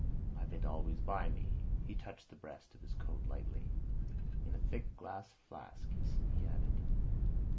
I've it always by me." He touched the breast of his coat lightly. "In a thick glass flask," he added.